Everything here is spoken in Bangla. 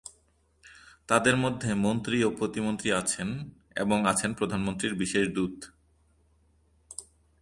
তাঁদের মধ্যে মন্ত্রী ও প্রতিমন্ত্রী আছেন এবং আছেন প্রধানমন্ত্রীর বিশেষ দূত।